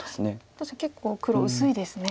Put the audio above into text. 確かに結構黒薄いですね。